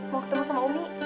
mau ketemu sama ummi